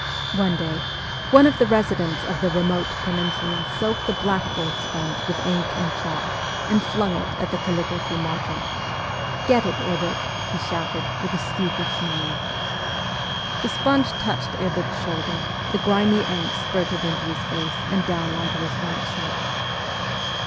One day, one of the residents of the remote penin sula soaked the blackboard sponge with ink and chalk and flung it at the caligraphy martyr. ' Get it, Ebert !' he shouted, with a stupid smile. The sponge touched Ebert's shoulder, the grimy ink spirted into his face and down on to his white shirt.